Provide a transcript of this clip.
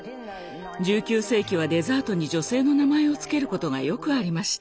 １９世紀はデザートに女性の名前を付けることがよくありました。